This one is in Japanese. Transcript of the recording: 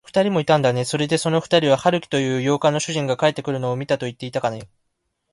ふたりもいたんだね。それで、そのふたりは、春木という洋館の主人が帰ってくるのを見たといっていたかね。